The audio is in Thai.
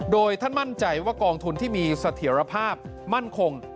โดยท่านมั่นใจว่ากองทุนที่มีเสถียรภาพมั่นคง